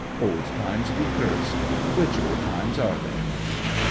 'Old times be cursed which old times are they?'